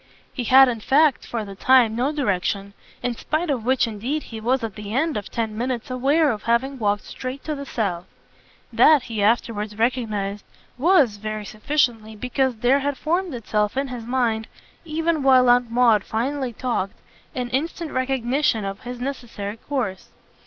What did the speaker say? He had in fact for the time no direction; in spite of which indeed he was at the end of ten minutes aware of having walked straight to the south. That, he afterwards recognised, was, very sufficiently, because there had formed itself in his mind, even while Aunt Maud finally talked, an instant recognition of his necessary course.